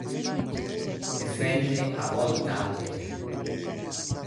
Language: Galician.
Defende a volta á aldea.